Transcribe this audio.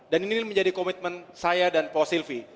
dan ini menjadi komitmen saya dan pak silvi